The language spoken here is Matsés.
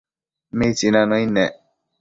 Mitsina nëid nec